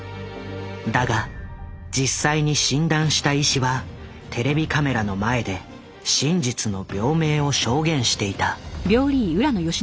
だが実際に診断した医師はテレビカメラの前で真実の病名を証言していた。